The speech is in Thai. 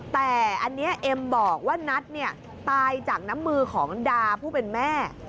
แต่อันนี้เอ็มบอกว่านัทตายจากน้ำมือของดาผู้เป็นแม่